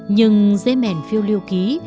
nhưng dế mèn phiêu lưu ký